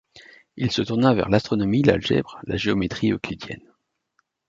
Il se tourna vers l'astronomie, l'algèbre, la géométrie euclidienne.